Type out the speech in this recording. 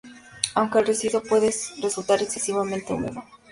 Aunque el residuo puede resultar excesivamente húmedo.